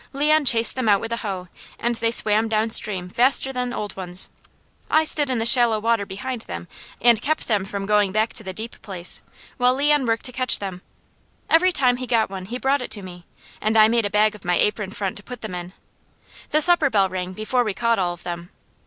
Leon chased them out with the hoe and they swam down stream faster than old ones. I stood in the shallow water behind them and kept them from going back to the deep place, while Leon worked to catch them. Every time he got one he brought it to me, and I made a bag of my apron front to put them in. The supper bell rang before we caught all of them.